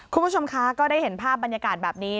คุณผู้ชมคะก็ได้เห็นภาพบรรยากาศแบบนี้